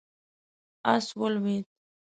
آس ولوېد.